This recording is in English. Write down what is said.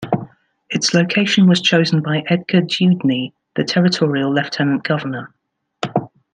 Its location was chosen by Edgar Dewdney, the territorial lieutenant-governor.